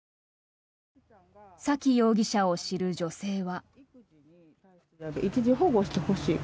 沙喜容疑者を知る女性は。